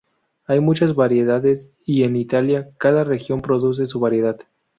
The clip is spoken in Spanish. Hay muchas variedades, y en Italia cada región produce su variedad.